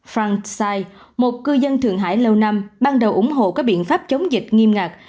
francide một cư dân thượng hải lâu năm ban đầu ủng hộ các biện pháp chống dịch nghiêm ngặt